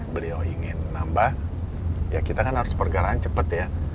beliau ingin nambah ya kita kan harus pergerakan cepet ya